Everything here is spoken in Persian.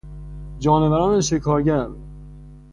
جانوران شکارگر